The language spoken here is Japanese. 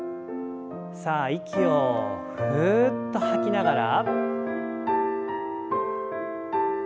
さあ息をふっと吐きながら。